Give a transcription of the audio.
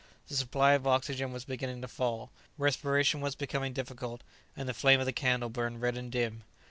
The supply of oxygen was beginning to fail, respiration was becoming difficult, and the flame of the candle burned red and dim.